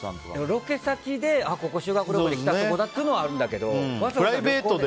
ロケ先でここ修学旅行先で来たとこだみたいなことはあるんだけど。